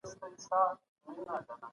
دوی د واقعیتونو د روښانتیا هڅه نه کوله.